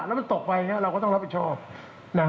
แล้วมันตกไปอย่างนี้เราก็ต้องรับผิดชอบนะ